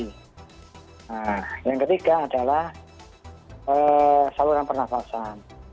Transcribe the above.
nah yang ketiga adalah saluran pernafasan